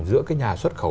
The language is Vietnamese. giữa cái nhà xuất khẩu